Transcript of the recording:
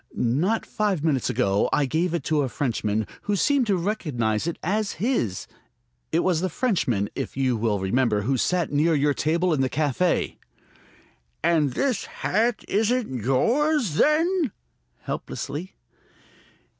"Not five minutes ago I gave it to a Frenchman, who seemed to recognize it as his. It was the Frenchman, if you will remember, who sat near your table in the café." "And this hat isn't yours, then?" helplessly.